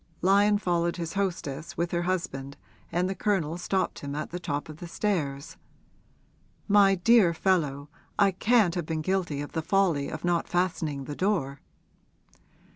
Lyon followed his hostess with her husband and the Colonel stopped him at the top of the stairs. 'My dear fellow, I can't have been guilty of the folly of not fastening the door?'